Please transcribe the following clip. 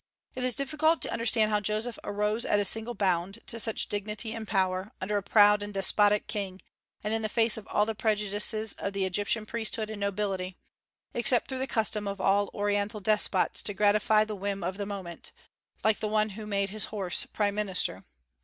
It is difficult to understand how Joseph arose at a single bound to such dignity and power, under a proud and despotic king, and in the face of all the prejudices of the Egyptian priesthood and nobility, except through the custom of all Oriental despots to gratify the whim of the moment, like the one who made his horse prime minister.